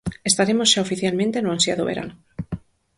Estaremos xa oficialmente no ansiado verán.